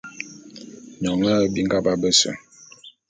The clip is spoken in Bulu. Nyone nhe binga ba bese.